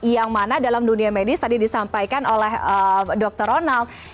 yang mana dalam dunia medis tadi disampaikan oleh dr ronald